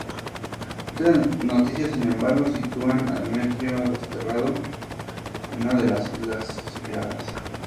Otras noticias, sin embargo, sitúan a Demetrio desterrado en una de las islas Cícladas.